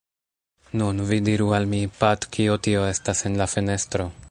“Nun, vi diru al mi, Pat, kio tio estas en la fenestro?”